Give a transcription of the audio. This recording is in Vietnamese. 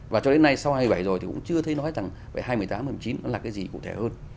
và cho đến nay sau hai mươi bảy rồi thì cũng chưa thấy nói rằng vậy hai mươi tám một mươi chín nó là cái gì cụ thể hơn